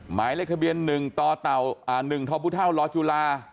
หมายเลขทะเบียนหนึ่งต่อเต่าอ่าหนึ่งทอบุท่าวหลอดจุฬา